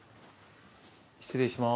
失礼します。